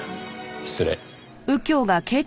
失礼。